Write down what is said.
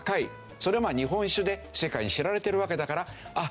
それは日本酒で世界に知られてるわけだからあっ